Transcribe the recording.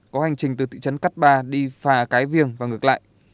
có hành trình từ thị trấn cát ba đi phà cái viềng và ngược lại